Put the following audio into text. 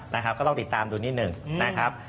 นะครับก็ต้องติดตามดูนิดหนึ่งนะครับ